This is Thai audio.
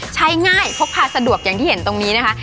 ใช้ง่ายพกพาสะดวกอย่างที่เห็นตรงนี้นะคะ